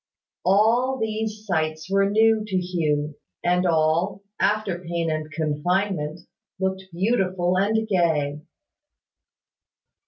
All these sights were new to Hugh: and all, after pain and confinement, looked beautiful and gay.